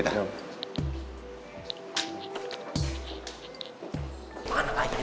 terima kasih ya alva ya